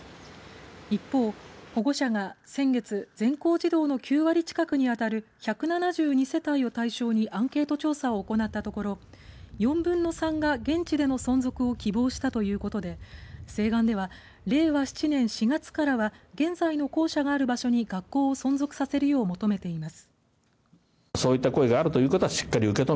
一方、保護者が先月全校児童の９割近くにあたる１７２世帯を対象にアンケート調査を行ったところ４分の３が現地での存続を希望したということで請願では令和７年４月からは現在の校舎がある場所に学校を存続させるよう求めています。